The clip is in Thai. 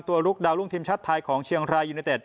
ลุกดาวรุ่งทีมชาติไทยของเชียงรายยูเนเต็ด